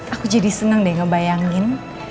aku jadi senang deh ngebayangin